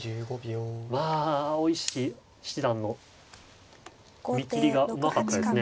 まあ大石七段の見切りがうまかったですね。